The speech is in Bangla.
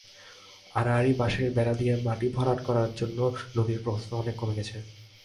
আড়াআড়ি বাঁশের বেড়া দিয়ে মাটি ভরাট করার জন্য নদীর প্রস্থ অনেক কমে গেছে।